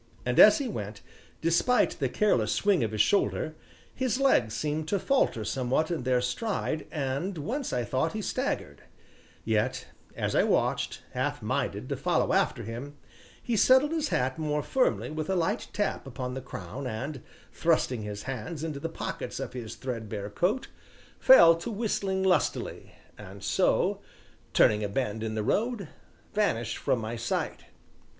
And as he went, despite the careless swing of his shoulder, his legs seemed to falter somewhat in their stride and once I thought he staggered; yet, as I watched, half minded to follow after him, he settled his hat more firmly with a light tap upon the crown and, thrusting his hands into the pockets of his threadbare coat, fell to whistling lustily, and so, turning a bend in the road, vanished from my sight.